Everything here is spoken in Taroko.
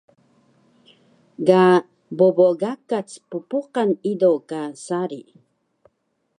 Ga bobo gakac ppuqan ido ka sari